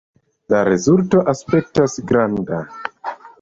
La rezulto aspektas granda!